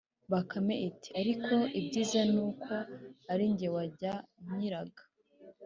bakame iti: "Ariko ibyiza ni uko ari jye wajya nyiragira,